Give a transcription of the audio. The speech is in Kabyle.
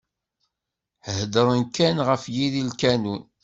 Heddren kan ɣer yiri n lkanun.